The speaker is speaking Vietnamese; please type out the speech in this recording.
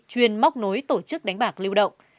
chuyên móc nối tổ chức đánh bạc lưu động